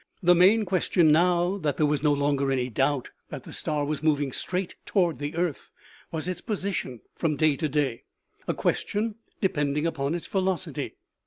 The main question, now that there was no longer any doubt that the star was moving straight toward the earth, was its position from day to day, a question de pending upon its velocity.